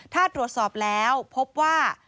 ถ้าตรวจสอบแล้วพบว่า